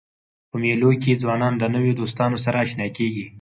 په مېلو کښي ځوانان د نوو دوستانو سره اشنا کېږي.